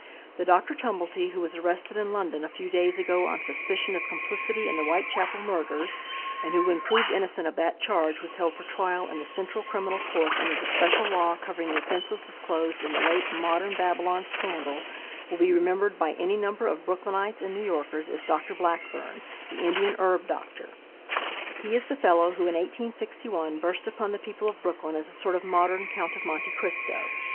The Dr. Tumblety who was arrested in London a few days ago on suspicion of complicity in the Whitechapel murders, and who when proved innocent of that charge was held for trial in the Central Criminal Court under the special law covering the offenses disclosed in the late "Modern Babylon" scandal, will be remembered by any number of Brooklynites and New Yorkers as Dr. Blackburn, the Indian herb doctor. He is the fellow who in 1861 burst upon the people of Brooklyn as a sort of modern Count of Monte Cristo.